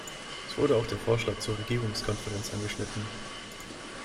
Es wurde auch der Vorschlag zur Regierungskonferenz angeschnitten.